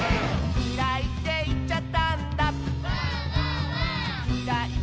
「きらいっていっちゃったんだ」